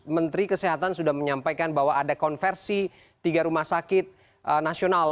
menteri kesehatan sudah menyampaikan bahwa ada konversi tiga rumah sakit nasional